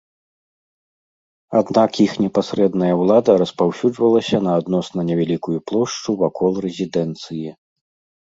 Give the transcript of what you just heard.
Аднак іх непасрэдная ўлада распаўсюджвалася на адносна невялікую плошчу вакол рэзідэнцыі.